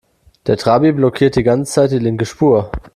Der Trabi blockiert die ganze Zeit die linke Spur.